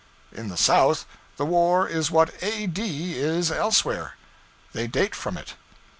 In the South, the war is what A.D. is elsewhere: they date from it.